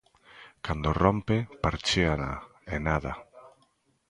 Cando rompe, parchéana, e nada.